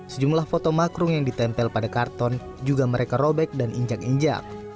sejumlah foto makrung yang ditempel pada karton juga mereka robek dan injak injak